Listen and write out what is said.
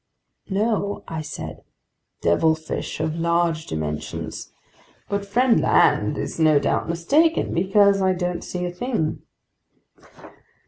"No," I said, "devilfish of large dimensions. But friend Land is no doubt mistaken, because I don't see a thing."